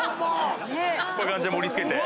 こういう感じで盛り付けて。